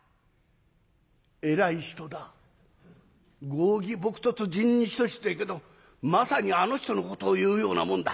『剛毅木訥仁に近し』と言うけどまさにあの人のことを言うようなもんだ。